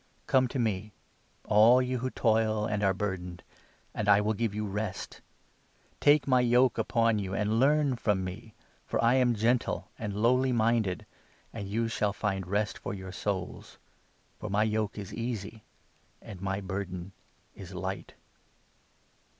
Come to me, 28 invites the all you who toil and are burdened, and I will weary. gjve yOU res£ i Take my yoke upon you, and 29 learn from me, for I am gentle and lowly minded, and ' you shall find rest for your souls '; for my yoke is easy, and my 30 burden is light."